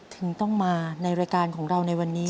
ถึงต้องมาในรายการของเราในวันนี้